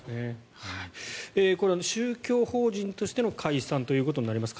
これは宗教法人としての解散ということになります。